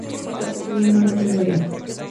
Su artesanía en barro es muy variada.